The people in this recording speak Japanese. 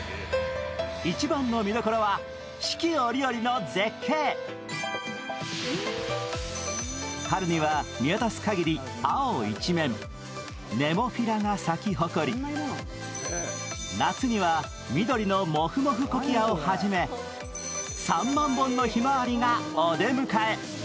一番の見どころは、四季折々の絶景春には見渡す限り青一面ネモフィラが咲き誇り、夏には緑のもふもふコキアをはじめ３万本のひまわりがお出迎え。